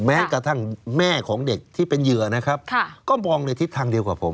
แม้กระทั่งแม่ของเด็กที่เป็นเหยื่อนะครับก็มองในทิศทางเดียวกับผม